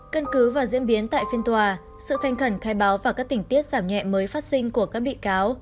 căn cứ và diễn biến tại phiên tòa sự thanh khẩn khai báo và các tình tiết giảm nhẹ mới phát sinh của các bị cáo